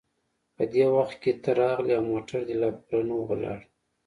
په دې وخت کې ته راغلې او موټر دې لا پوره نه و ولاړ.